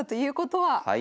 はい。